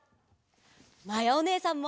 まやおねえさんも！